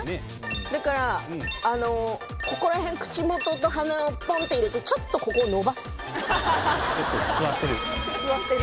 だからあのここらへん口元と鼻をポンって入れてちょっとここを伸ばす吸わしてる？